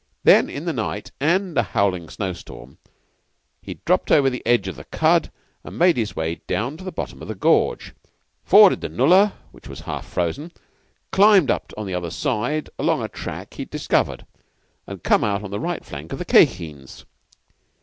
Then, in the night and a howling snow storm, he'd dropped over the edge of the khud, made his way down to the bottom of the gorge, forded the nullah, which was half frozen, climbed up on the other side along a track he'd discovered, and come out on the right flank of the Khye Kheens.